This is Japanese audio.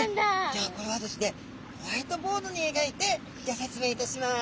じゃあこれはですねホワイトボードにえがいてギョ説明いたします。